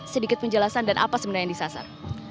sedikit penjelasan dan apa sebenarnya yang disasar